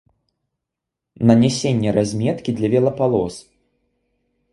Нанясенне разметкі для велапалос.